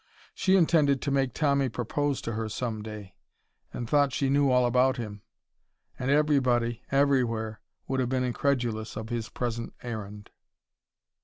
She intended to make Tommy propose to her some day, and thought she knew all about him. And everybody, everywhere, would have been incredulous of his present errand.